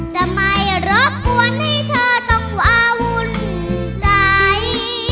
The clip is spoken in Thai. จะไม่รบกวนให้เธอต้องอาวุ่นใจ